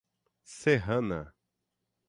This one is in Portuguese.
Serrana